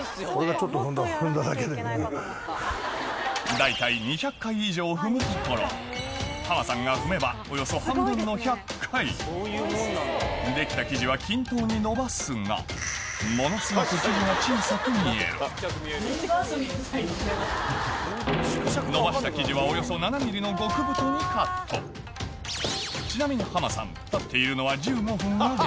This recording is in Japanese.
大体２００回以上踏むところ浜さんが踏めばおよそ半分の１００回できた生地は均等に延ばすが延ばした生地はおよそ７ｍｍの極太にカットちなみに浜さん